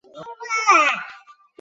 曷言乎罗汉脚也？